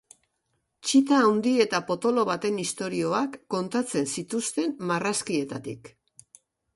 Txita haundi eta potolo baten istorioak kontatzen zituzten marrazkietatik.